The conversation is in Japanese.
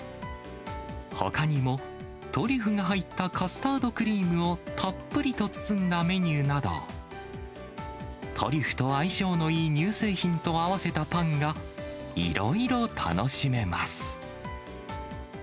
ほかにもトリュフが入ったカスタードクリームをたっぷりと包んだメニューなど、トリュフと相性のいい乳製品と合わせたパンが、色々楽しめます。